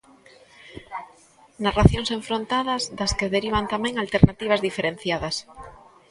Narracións enfrontadas das que derivan tamén alternativas diferenciadas.